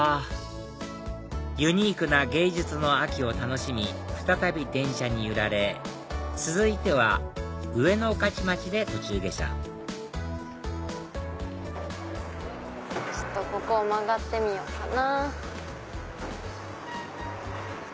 ユニークな芸術の秋を楽しみ再び電車に揺られ続いては上野御徒町で途中下車ここを曲がってみよっかな。